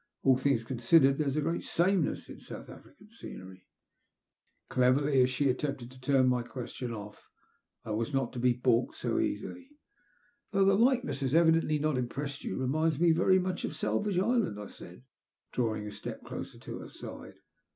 All things considered, there is a great sameness in South African scenery." I TELL MY STOBY. 241 Cleverly as she attempted to turn my question off, I was not to be baulked so easily. '' Though the likeness has evidently not impressed you, it reminds me very much of Salvage Island/* I said, drawing a step closer to her side.